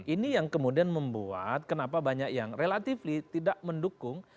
ini yang kemudian membuat kenapa banyak yang relatively tidak mendukung